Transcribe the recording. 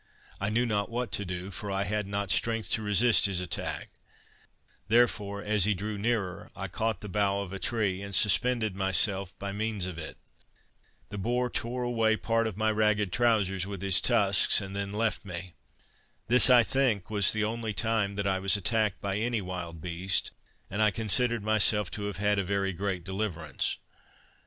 I knew not what to do, for I had not strength to resist his attack; therefore, as he drew nearer, I caught the bough of a tree, and suspended myself by means of it. The boar tore away part of my ragged trowsers with his tusks, and then left me. This, I think, was the only time that I was attacked by any wild beast, and I considered myself to have had a very great deliverance.